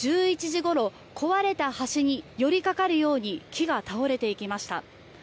１１時ごろ壊れた橋に寄りかかるように木が倒れていきました。